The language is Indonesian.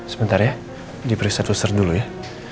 sebentar ya diberi satu ser dulu ya